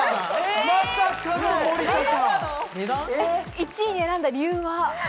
１位に選んだ理由は？